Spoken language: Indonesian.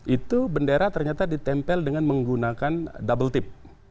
itu bendera ternyata ditempel dengan menggunakan double tip